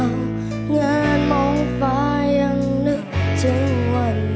งานมองฟ้ายังนึกถึงวัน